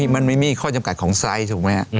มันไม่มีข้อจำกัดของไซส์ถูกไหมฮะ